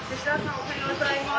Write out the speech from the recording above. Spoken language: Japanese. おはようございます。